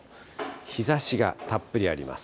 日ざしがたっぷりあります。